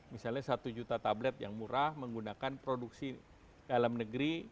misalnya satu juta tablet yang murah menggunakan produksi dalam negeri